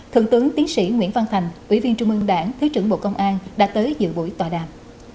thượng tướng tiến sĩ nguyễn văn thành ủy viên trung mương đảng thứ trưởng bộ công an đã tới dự buổi tòa đàm